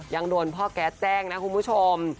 ยังโดนพ่อแก๊สแจ้งนะคุณผู้ชม